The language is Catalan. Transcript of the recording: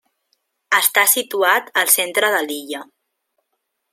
Està situat al centre de l'illa.